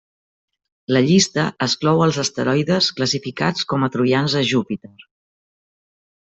La llista exclou els asteroides classificats com a troians de Júpiter.